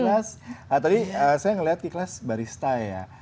nah tadi saya melihat ikhlas barista